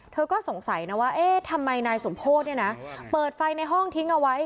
เธอก็สงสัยนะว่าเอ๊ะทำไมนายสมโพธิเนี่ยนะเปิดไฟในห้องทิ้งเอาไว้